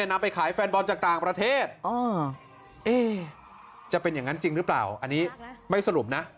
นำไปขายแฟนบอลจากต่างประเทศจะเป็นอย่างนั้นจริงหรือเปล่าอันนี้ไม่สรุปนะ